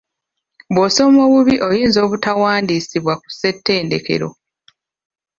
Bw'osoma obubi oyinza obutawandiisibwa ku ssetendekero.